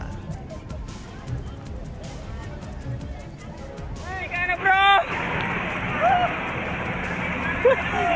kepala pusat meteorologi maritim bmkg eko prasetyo